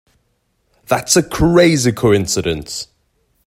That's a crazy coincidence!